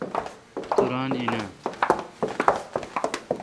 تو ران این۔ اؘ